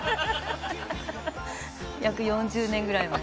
約４０年ぐらい前。